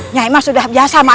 nyai mah sudah biasa mah